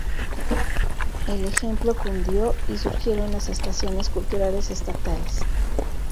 El ejemplo cundió y surgieron las estaciones culturales estatales.